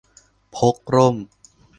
พกร่ม